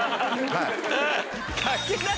はい。